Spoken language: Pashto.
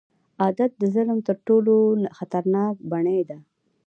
عادت د ظلم تر ټولو خطرناک بڼې ده.